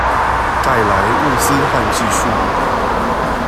帶來物資和技術